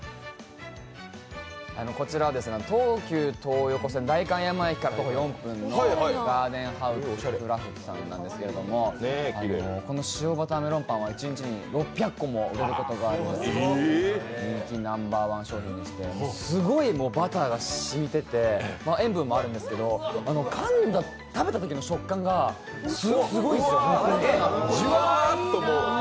こちらは東急東横線代官山駅から徒歩４分のＧＡＲＤＥＮＨＯＵＳＥＣＲＡＦＴＳさんなんですけどこの塩バターメロンパンは一日に６００個も売れるという人気ナンバーワン商品でしてすごいバターが染みてて塩分もあるんですけど、食べたときの食感がすごいんですよ。